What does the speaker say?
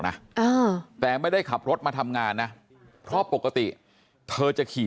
นะแต่ไม่ได้ขับรถมาทำงานนะเพราะปกติเธอจะขี่